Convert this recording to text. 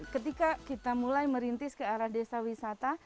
ketika kita mulai merintis ke arah desa wisata